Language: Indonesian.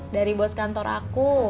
dari bos kantor aku